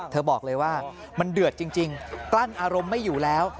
บอกเลยว่ามันเดือดจริงกลั้นอารมณ์ไม่อยู่แล้ว